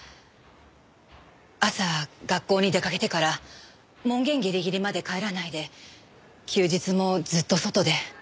朝学校に出かけてから門限ギリギリまで帰らないで休日もずっと外で。